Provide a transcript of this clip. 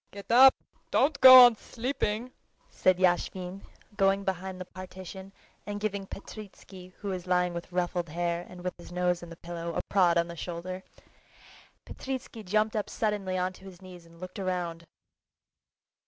"Get up, don't go on sleeping," said Yashvin, going behind the partition and giving Petritsky, who was lying with ruffled hair and with his nose in the pillow, a prod on the shoulder. Petritsky jumped up suddenly onto his knees and looked round.